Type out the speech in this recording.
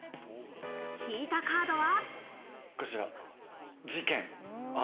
引いたカードは。